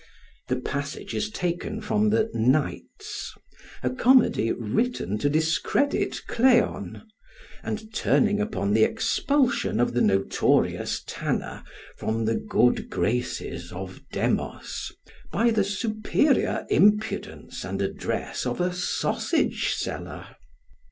The passage is taken from the "Knights," a comedy written to discredit Cleon, and turning upon the expulsion of the notorious tanner from the good graces of Demos, by the superior impudence and address of a sausage seller.